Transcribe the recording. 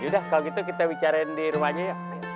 yaudah kalau gitu kita bicara di rumahnya ya